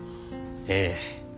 ええ。